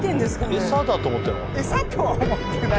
エサだと思ってるのかな？